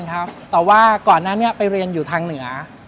ครับแต่ว่าก่อนนั้นไปเรียนอยู่ทางเหนือ